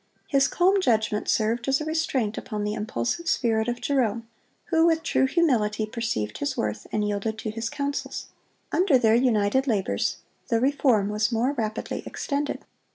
His calm judgment served as a restraint upon the impulsive spirit of Jerome, who, with true humility, perceived his worth, and yielded to his counsels. Under their united labors the reform was more rapidly extended.